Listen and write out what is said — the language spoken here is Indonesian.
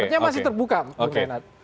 artinya masih terbuka pemerintahan